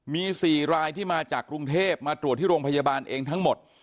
มี๔รายที่มาจากกรุงเทพมาตรวจที่โรงพยาบาลเองทั้งหมด